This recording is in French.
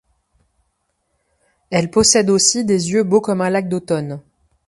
Elle possède aussi des yeux beaux comme un lac d'Automne.